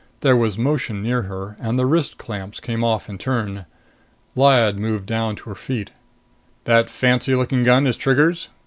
There was motion near her, and the wrist clamps came off in turn. Lyad moved down to her feet. "The fancy looking gun is Trigger's?"